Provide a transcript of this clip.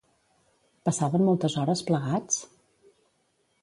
Passaven moltes hores plegats?